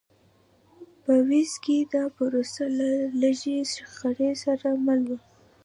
په ویلز کې دا پروسه له لږې شخړې سره مل وه.